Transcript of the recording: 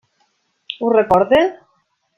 Ho recorden?